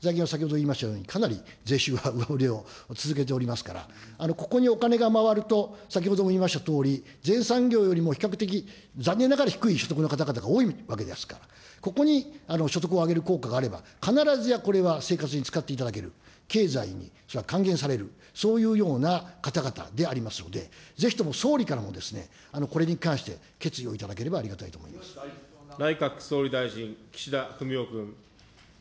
財源を先ほど言いましたように、かなり税収は上振れを続けておりますから、ここにお金が回ると、先ほども言いましたとおり、全産業よりも比較的、残念ながら低い所得の方が多いわけですから、ここに所得を上げる効果があれば、必ずやこれは生活に使っていただける、経済に還元される、そういうような方々でありますので、ぜひとも総理からも、これに関して決意を頂内閣総理大臣、岸田文雄君。